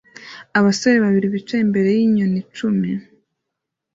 Abasore babiri bicaye imbere yinyoni cumi